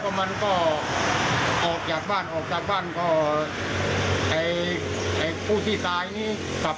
และก็ออกจากบ้านก็พู่ที่ตายนะครับ